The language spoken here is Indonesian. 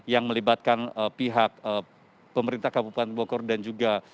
yang melibatkan pihak pemerintah kabupaten bogor dan juga